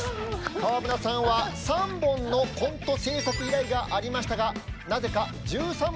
川村さんは３本のコント制作依頼がありましたがなぜか１３本書いてきたそうです。